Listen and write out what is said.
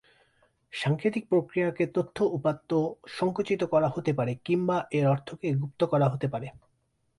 সাংকেতিক প্রক্রিয়াতে তথ্য-উপাত্তকে সংকুচিত করা হতে পারে কিংবা এর অর্থকে গুপ্ত করা হতে পারে।